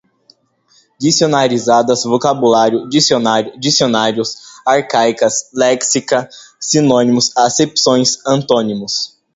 dicionarizadas, vocabulário, dicionário, dicionários, arcaicas, léxica, sinônimos, acepções, antônimos